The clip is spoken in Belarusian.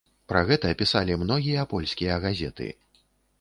Пра гэта пісалі многія польскія газеты.